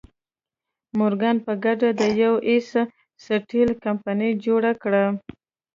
مورګان په ګډه د یو ایس سټیل کمپنۍ جوړه کړه.